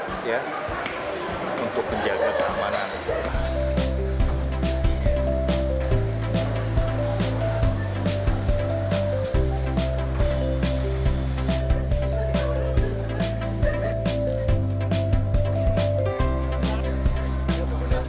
pemerintah provinsi jakarta mengundang mrt ini dan berikut informasinya